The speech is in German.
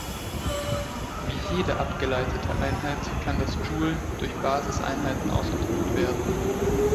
Wie jede abgeleitete Einheit kann das Joule durch Basiseinheiten ausgedrückt werden.